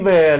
về lễ hội